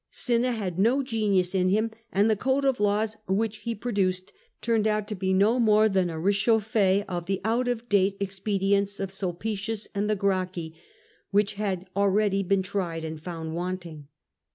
Cinna had no genius in him, and the code of laws which he pro duced turned out to be no more than a rechauffde of the out of date expedients of Sulpicius and the Gracchi, which had already been tried and found wanting.